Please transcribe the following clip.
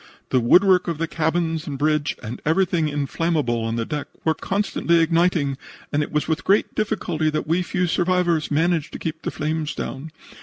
The woodwork of the cabins and bridge and everything inflammable on deck were constantly igniting, and it was with great difficulty that we few survivors managed to keep the flames down.